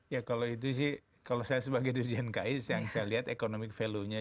ya kalau itu sih kalau saya sebagai dirjen ki yang saya lihat economic value nya